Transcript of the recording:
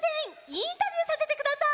インタビューさせてください。